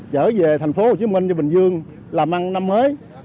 trở về thành phố hồ chí minh và bình dương làm ăn năm mới